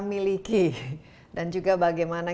miliki dan juga bagaimana